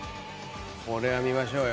これは見ましょうよ。